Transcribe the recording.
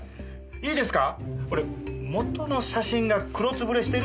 いいですか？